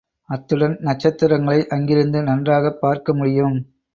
அத்துடன் நட்சத்திரங்களை அங்கிருந்து நன்றாகப் பார்க்க முடியும்.